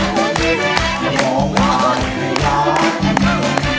ก็ร้องได้ให้ร้าน